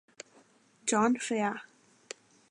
John Fea.